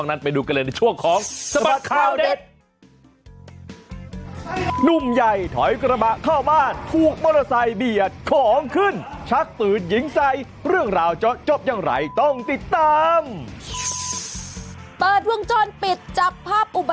ครับผู้ชมสามารถส่งไลน์เข้ามาพูดคุยกับพวกเรา๓คนได้นะครับ